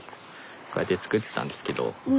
こうやって作ってたんですけど。